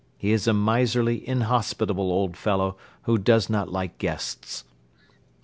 He is a miserly, inhospitable old fellow who does not like guests."